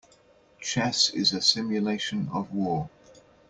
Chess is a simulation of war.